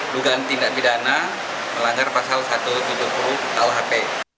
dugaan tindak pidana melanggar pasal satu ratus tujuh puluh kuhp